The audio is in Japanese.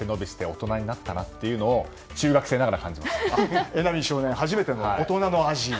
大人になったなというのを榎並少年、初めての大人の味。